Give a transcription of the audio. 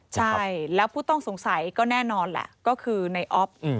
ใช่แล้วผู้ต้องสงสัยก็แน่นอนแหละก็คือในออฟ